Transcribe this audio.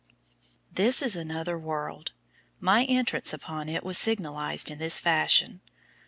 This is another world. My entrance upon it was signalized in this fashion.